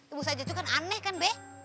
ibu saja itu kan aneh kan be